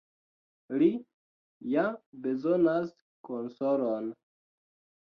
Li ja bezonas konsolon.